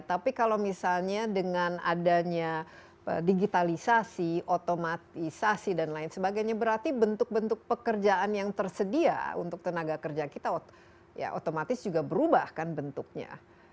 tapi kalau misalnya dengan adanya digitalisasi otomatisasi dan lain sebagainya berarti bentuk bentuk pekerjaan yang tersedia untuk tenaga kerja kita ya otomatis juga berubah kan bentuknya